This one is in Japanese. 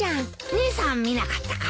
姉さん見なかったか？